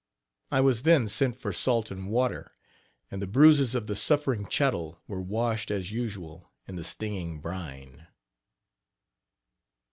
I was then sent for salt and water, and the bruises of the suffering chattel were washed as usual in the stinging brine.